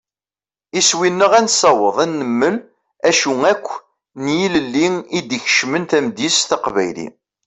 Iswi-nneɣ ad nessaweḍ ad d-nemmel acu akk n yilelli i d-ikecmen tamedyazt taqbaylit.